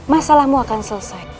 masalahmu akan selesai